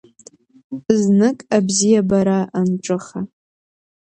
Знык абзиабара анҿыха…